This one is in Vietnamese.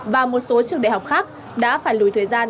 và một số trường đại học khác đã phải lùi thời gian